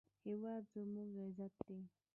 هېواد زموږ عزت دی